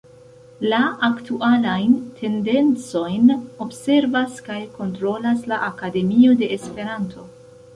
La aktualajn tendencojn observas kaj kontrolas la Akademio de Esperanto.